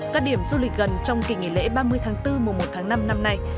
các điểm du lịch gần trong kỳ nghỉ lễ ba mươi tháng bốn mùa một tháng năm năm nay